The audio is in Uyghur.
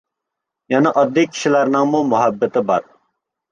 يەنە ئاددىي كىشىلەرنىڭمۇ مۇھەببىتى بار.